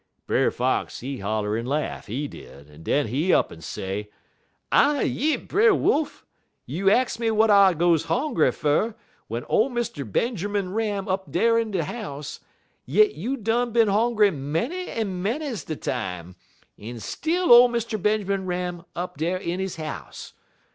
"Brer Fox, he holler en laugh, he did, en den he up'n say: "'Ah yi, Brer Wolf! You ax me w'at I goes hongry fer, w'en ole Mr. Benjermun Ram up dar in he house, yit you done bin hongry manys en manys de time, en still ole Mr. Benjermun Ram up dar in he house.